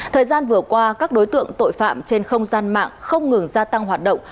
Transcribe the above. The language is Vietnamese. thời gian vừa qua các đối tượng tội phạm trên không gian mạng không ngừng gia tăng hoạt động